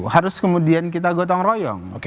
harus kemudian kita gotong royong